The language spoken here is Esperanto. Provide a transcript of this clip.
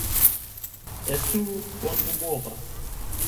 Estu bonhumora.